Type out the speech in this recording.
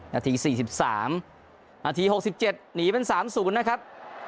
นาที๔๓นาที๖๗หนีเป็น๓๐นะครับ